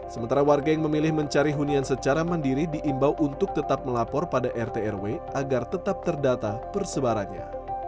sementara warga yang memilih mencari hunian secara mandiri diimbau untuk tetap melapor pada rt rw agar tetap terdata persebarannya